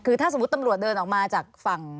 คือถ้าสมมุติตำรวจเดินออกมาจากฝั่ง